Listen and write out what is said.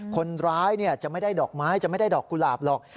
คนร้ายจะไม่ได้ดอกไม้จะไม่ได้ดอกกุหลาบหรอก